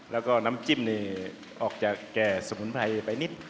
แล้วก็น้ำจิ้มนี่ออกจากแก่สมุนไพรไปนิด